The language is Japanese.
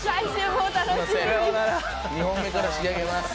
２本目から仕上げます。